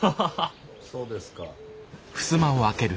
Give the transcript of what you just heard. そうですか。